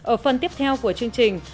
ở phần tiếp theo của chương trình